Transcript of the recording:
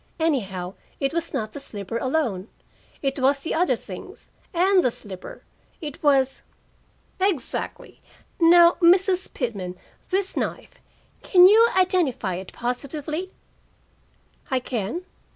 Anyhow, it was not the slipper alone. It was the other things and the slipper. It was " "Exactly. Now, Mrs. Pitman, this knife. Can you identify it positively?" "I can."